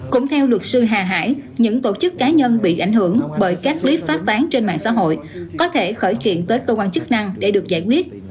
cũng theo luật sư hà hải những tổ chức cá nhân bị ảnh hưởng bởi các clip phát tán trên mạng xã hội có thể khởi chuyện tới cơ quan chức năng để được giải quyết